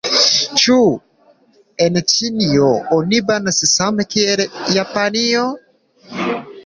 Ĉu en Ĉinio oni banas same kiel en Japanio?